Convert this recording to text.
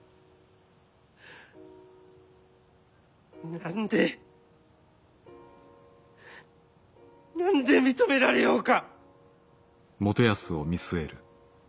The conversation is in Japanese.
何で何で認められようか！